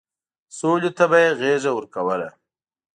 سولې ته به يې غېږه ورکوله.